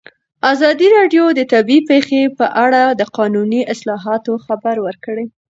ازادي راډیو د طبیعي پېښې په اړه د قانوني اصلاحاتو خبر ورکړی.